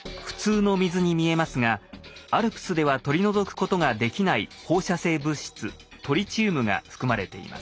普通の水に見えますがＡＬＰＳでは取り除くことができない放射性物質トリチウムが含まれています。